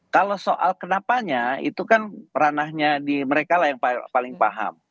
kalau soal kenapanya itu kan ranahnya di mereka lah yang paling paham